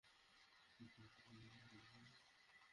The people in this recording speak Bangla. তারপর আমি তোদের হাতে এই ফাইল তুলে দিবো।